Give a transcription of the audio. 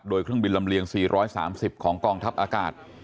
โดยเครื่องบินลำเลียง๔๓๐ของกองทัพอากาศ